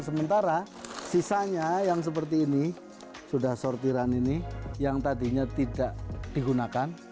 sementara sisanya yang seperti ini sudah sortiran ini yang tadinya tidak digunakan